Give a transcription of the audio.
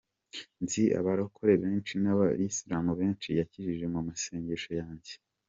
“Nzi abarokore benshi n’abayisilami benshi yakijije mu masengesho yanjye.